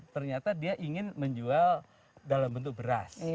ternyata dia ingin menjual dalam bentuk beras